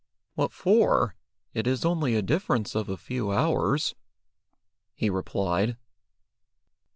"What for? It is only a difference of a few hours," he replied.